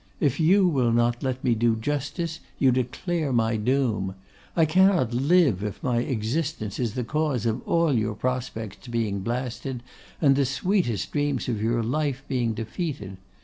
If you will not let me do justice you declare my doom. I cannot live if my existence is the cause of all your prospects being blasted, and the sweetest dreams of your life being defeated.